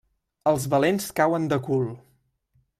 Els valents cauen de cul.